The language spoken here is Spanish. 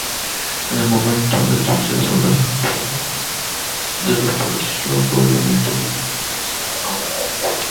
En el momento del suceso las labores de restauración probablemente no habían finalizado aún.